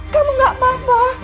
kamu gak apa apa